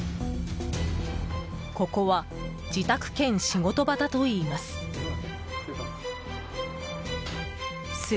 ここは自宅兼仕事場だといいます。